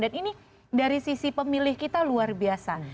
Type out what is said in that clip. ini dari sisi pemilih kita luar biasa